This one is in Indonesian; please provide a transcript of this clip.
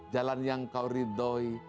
jalan yang kau ridhoi